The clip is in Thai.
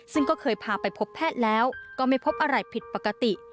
ซึ่งก็เคยพาไปพบแพทย์แล้วก็ไม่พบอะไรผิดปกติ